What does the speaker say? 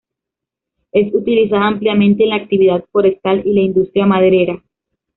Es utilizada ampliamente en la actividad forestal y la industria maderera.